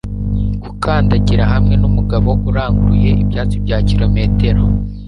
gukandagira hamwe numugabo uranguruye ibyatsi bya kilometero